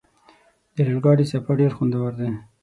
د ریل ګاډي سفر ډېر خوندور دی.